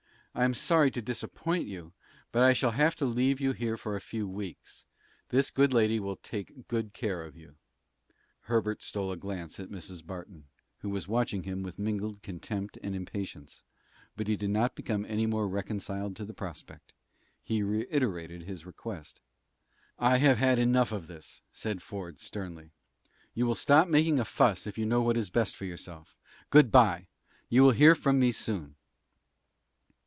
I am sorry to disappoint you, but I shall have to leave you here for a few weeks. This good lady will take good care of you." Herbert stole a glance at Mrs. Barton, who was watching him with mingled contempt and impatience, but he did not become any more reconciled to the prospect. He reiterated his request. "I have had enough of this," said Ford, sternly. "You will stop making a fuss if you know what is best for yourself. Good by! You will hear from me soon."